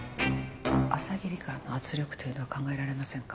朝霧からの圧力というのは考えられませんか？